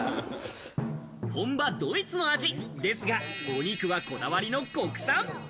本場ドイツの味ですが、お肉はこだわりの国産。